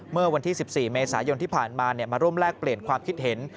เมื่อวันที่๑๔เมษายนที่ผ่านมามาร่วมแลกเปลี่ยนความคิดเห็น